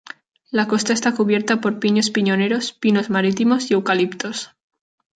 La costa está cubierta por pinos piñoneros, pinos marítimos y eucaliptos.